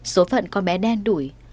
số phận con bé đen đuổi